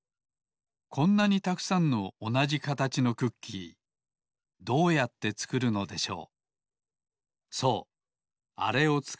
こんなにたくさんのおなじかたちのクッキーどうやってつくるのでしょう。